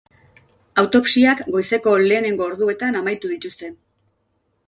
Autopsiak goizeko lehenengo orduetan amaitu dituzte.